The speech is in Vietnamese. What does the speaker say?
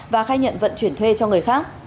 và khai nhận vận chuyển thuê cho người khác